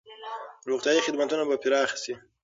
روغتیايي خدمتونه به پراخ شي.